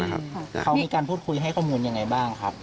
เขามีการพูดคุยให้ข้อมูลยังไงบ้างครับ